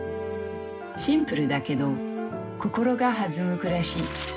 シンプルだけど心が弾む暮らし。